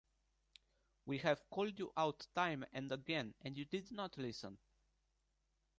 We have called you out time and again, and you did not listen.